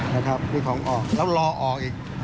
นะครับมีของออกแล้วรอออกอีก